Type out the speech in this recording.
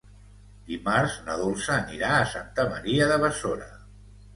Dimarts na Dolça anirà a Santa Maria de Besora.